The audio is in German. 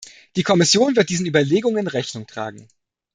Die Kommission wird diesen Überlegungen Rechnung tragen.